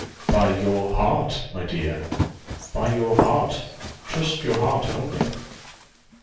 "By your heart, my dear; by your heart: trust your heart only."